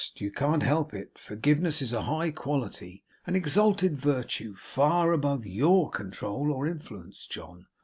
You can't help it. Forgiveness is a high quality; an exalted virtue; far above YOUR control or influence, John.